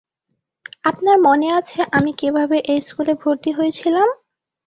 আপনার মনে আছে আমি কিভাবে এই স্কুলে ভর্তি হয়েছিলাম?